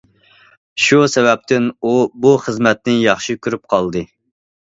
شۇ سەۋەبتىن ئۇ بۇ خىزمەتنى ياخشى كۆرۈپ قالدى.